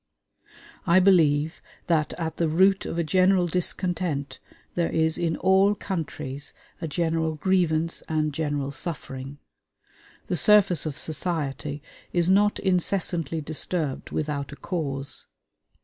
I believe that at the root of a general discontent there is in all countries a general grievance and general suffering. The surface of society is not incessantly disturbed without a cause.